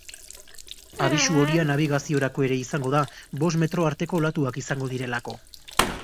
Abisu horia nabigaziorako ere izango da, bost metro arteko olatuak izango direlako.